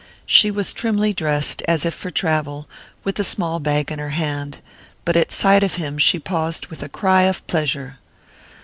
She was trimly dressed, as if for travel, with a small bag in her hand; but at sight of him she paused with a cry of pleasure.